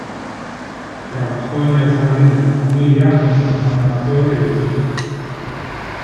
Trabajó en el jardín de la familia con su hermano mayor Eugene.